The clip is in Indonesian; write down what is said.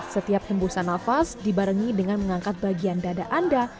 setiap hembusan nafas dibarengi dengan mengangkat bagian dada anda